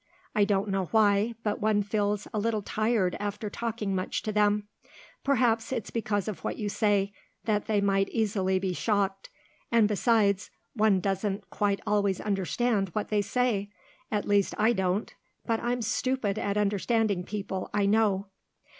I don't know why, but one feels a little tired after talking much to them; perhaps it's because of what you say, that they might easily be shocked; and besides, one doesn't quite always understand what they say. At least, I don't; but I'm stupid at understanding people, I know."